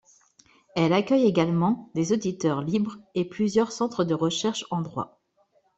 Elle accueille également des auditeurs libres et plusieurs centres de recherche en droit.